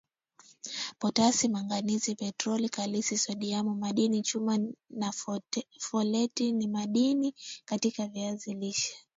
potasi manganizi protini kalisi sodiamu madini chuma na foleti ni madini katika viazi lishe